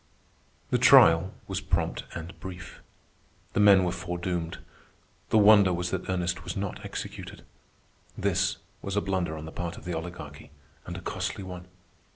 The trial was prompt and brief. The men were foredoomed. The wonder was that Ernest was not executed. This was a blunder on the part of the Oligarchy, and a costly one.